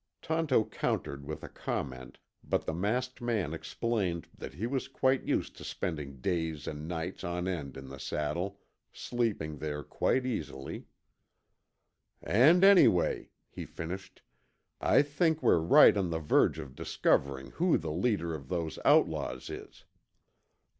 Tonto countered with a comment, but the masked man explained that he was quite used to spending days and nights on end in the saddle, sleeping there quite easily. "And, anyway," he finished, "I think we're right on the verge of discovering who the leader of those outlaws is.